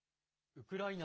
ウクライナ